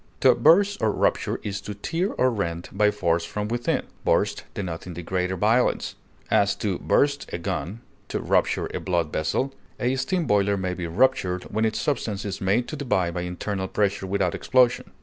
To burst or rupture is to tear or rend by force from within, burst denoting the greater violence; as, to burst a gun; to rupture a blood vessel; a steam boiler may be ruptured when its substance is made to divide by internal pressure without explosion.